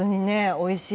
おいしい。